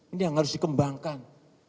ini yang harus dikembangkan